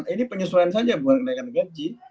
ini penyesuaian saja bukan kenaikan gaji